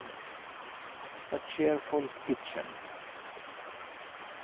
A CHEERFUL KITCHEN.